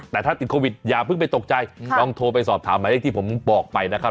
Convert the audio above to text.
แต่ถ้าติดโควิดอย่าเพิ่งไปตกใจลองโทรไปสอบถามหมายเลขที่ผมบอกไปนะครับ